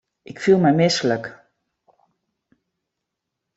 Ik fiel my mislik.